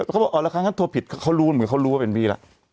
เขาบอกอ๋อละครั้งนั้นโทรผิดเขารู้เหมือนเขารู้ว่าเป็นพี่แล้ว